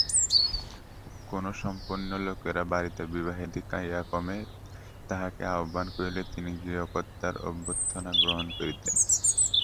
কোনো সম্পন্ন লোকের বাড়িতে বিবাহাদি ক্রিয়াকর্মে তাঁহাকে আহ্বান করিলে তিনি গৃহকর্তার অভ্যর্থনা গ্রহণ করিতেন।